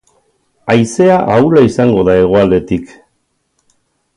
Haizea ahula izango da hegoaldetik.